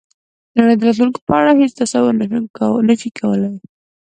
د نړۍ د راتلونکې په اړه هېڅ تصور نه شي کولای.